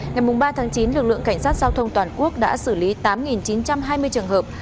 ngày ba chín lực lượng cảnh sát giao thông toàn quốc đã xử lý tám chín trăm hai mươi trường hợp